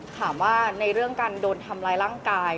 ถามว่าในเรื่องการโดนทำร้ายร่างกาย